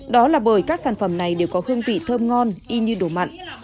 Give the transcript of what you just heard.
đó là bởi các sản phẩm này đều có hương vị thơm ngon y như đồ mặn